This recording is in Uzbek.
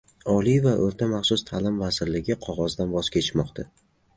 Oliy va o‘rta maxsus ta’lim vazirligi qog‘ozdan voz kechmoqda